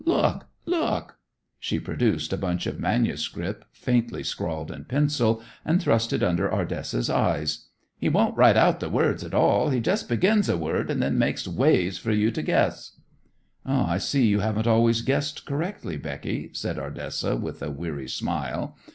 Look! Look!" She produced a bunch of manuscript faintly scrawled in pencil, and thrust it under Ardessa's eyes. "He don't write out the words at all. He just begins a word, and then makes waves for you to guess." "I see you haven't always guessed correctly, Becky," said Ardessa, with a weary smile.